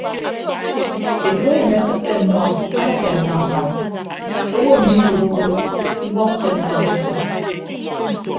Etәkeyịn akịtte ọmmọ adịkke mbañ mbañ owo mmidooho owo ibọhọke ọmmọ ke usʌñ.